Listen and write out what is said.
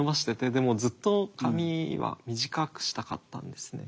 でもずっと髪は短くしたかったんですね。